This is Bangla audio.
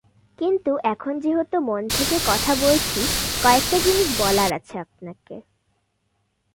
কিন্তু এখন যেহেতু মন থেকে কথা বলছি, কয়েকটা জিনিস বলার আছে আপনাকে।